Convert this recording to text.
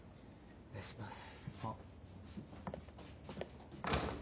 お願いします。